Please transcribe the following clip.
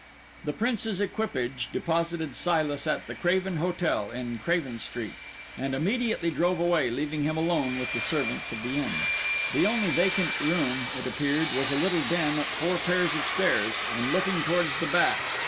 The Prince's equipage deposited Silas at the Craven Hotel in Craven Street, and immediately drove away, leaving him alone with the servants of the inn. The only vacant room, it appeared, was a little den up four pairs of stairs, and looking towards the back.